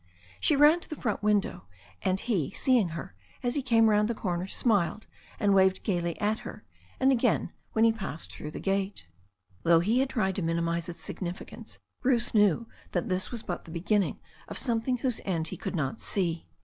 She ran to the front room window, and he, seeing her, as he came round the corner, smiled and waved gaily at her, and again when he had passed through the gate. Though he had tried to minimize its significance, Bruce knew that this was but the beginning of something whose end he could not see.